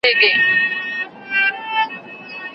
نو مانا روښانه کېږي.